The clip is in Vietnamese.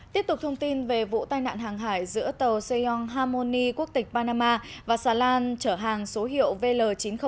tiếp tục thông tin về vụ tai nạn hàng hải giữa tàu seiyong harmony quốc tịch panama và xà lan chở hàng số hiệu vl chín nghìn chín